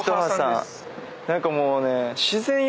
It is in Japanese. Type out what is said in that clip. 何かもうね。